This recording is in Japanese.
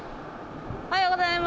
おはようございます。